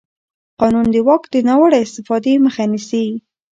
قانون د واک د ناوړه استفادې مخه نیسي.